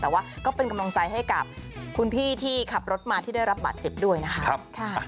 แต่ว่าก็เป็นกำลังใจให้กับคุณพี่ที่ขับรถมาที่ได้รับบาดเจ็บด้วยนะคะ